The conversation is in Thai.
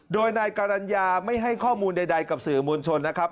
โดยนายกรรณญาไม่ให้ข้อมูลใดกับสื่อมวลชนนะครับ